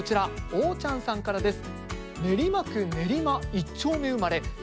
おーちゃんさんからです。